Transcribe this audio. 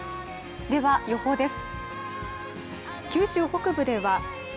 では、予報です。